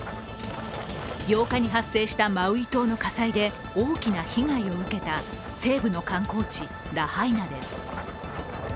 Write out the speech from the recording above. ８日に発生したマウイ島の火災で大きな被害を受けた西部の観光地・ラハイナです。